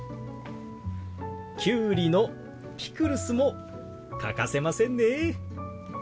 キュウリのピクルスも欠かせませんね。